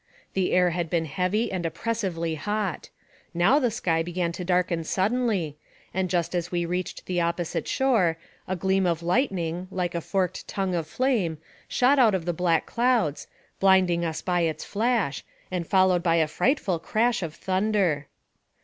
The air had been heavy and op pressively hot ; now the sky began to darken suddenly, and just as we reached the opposite shore, a gleam of lightning, like a forked tongue of flame, shot out of the black clouds, blinding us by its flash, and followed by a frightful crash of thunder.